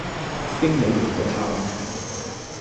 經理型到喊